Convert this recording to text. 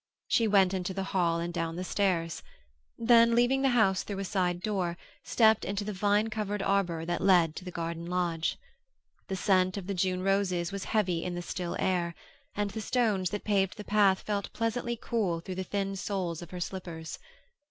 She went into the hall and down the stairs; then, leaving the house through a side door, stepped into the vine covered arbor that led to the garden lodge. The scent of the June roses was heavy in the still air, and the stones that paved the path felt pleasantly cool through the thin soles of her slippers.